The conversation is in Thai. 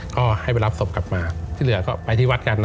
ก็ให้ไปรับศพกลับมาที่เหลือก็ไปที่วัดกันนะ